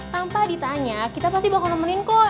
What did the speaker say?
tanpa ditanya kita pasti bakal nemenin kok